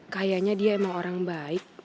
kayaknya dia emang orang baik